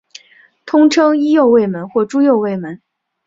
通称伊又卫门或猪右卫门。